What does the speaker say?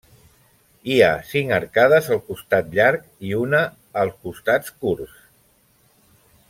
Hi ha cinc arcades al costat llarg i una als costats curts.